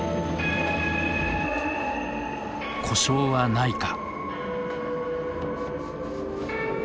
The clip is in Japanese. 故障はないか。